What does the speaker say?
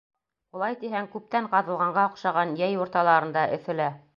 Улай тиһәң, күптән ҡаҙылғанға оҡшаған, йәй урталарында, эҫелә.